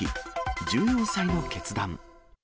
１４歳の決断。